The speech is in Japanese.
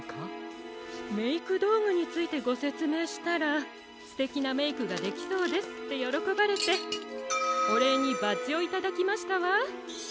メイクどうぐについてごせつめいしたら「すてきなメイクができそうです」ってよろこばれておれいにバッジをいただきましたわ。